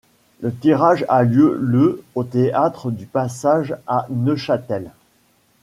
Le tirage a lieu le au Théâtre du Passage à Neuchâtel.